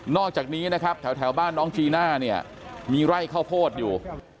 อกจากนี้นะครับแถวบ้านน้องจีน่าเนี่ยมีไร่ข้าวโพดอยู่